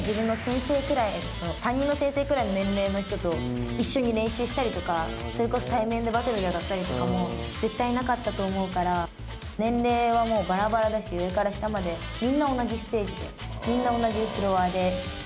学校で言ったら自分の先生ぐらいの担任の先生くらいの年齢の人と一緒に練習なかったりとかそれこそ対面でバトルをやったりとかも絶対なかったと思うから年齢はばらばらだし上から下までみんな同じステージでみんな同じフロアで。